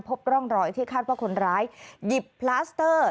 พบร่องรอยที่คาดว่าคนร้ายหยิบพลาสเตอร์